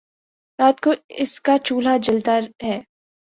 رات کو اس کا چولہا جلتا ہے